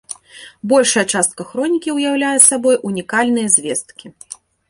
Большая частка хронікі ўяўляе сабой унікальныя звесткі.